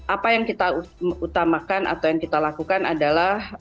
apa yang kita utamakan atau yang kita lakukan adalah